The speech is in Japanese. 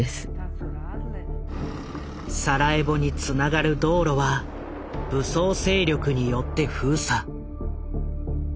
サラエボにつながる道路は武装勢力によって封鎖。